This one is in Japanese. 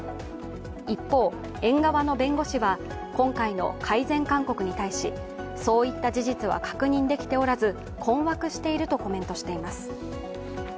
一方、園側の弁護士は今回の改善勧告に対しそういった事実は確認できておらず困惑しているとコメントしています。